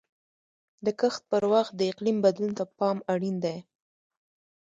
د کښت پر وخت د اقلیم بدلون ته پام اړین دی.